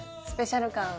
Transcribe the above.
スペシャル感。